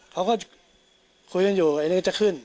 เขาก็คุยกันอยู่อันนี้จะขึ้น